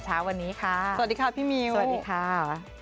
เช้าวันนี้ค่ะสวัสดีค่ะพี่มิวสวัสดีค่ะ